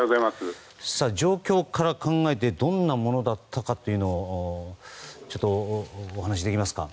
状況から考えてどんなものだったかをちょっとお話しできますか。